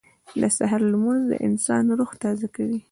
• د سهار لمونځ د انسان روح تازه کوي.